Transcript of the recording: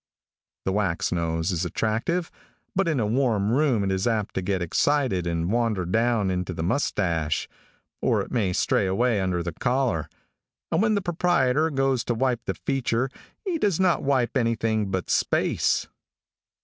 The wax nose is attractive, but in a warm room it is apt to get excited and wander down into the mustache, or it may stray away under the collar, and when the proprietor goes to wipe this feature he does not wipe anything but space.